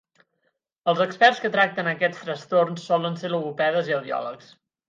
Els experts que tracten aquests trastorns solen ser logopedes i audiòlegs.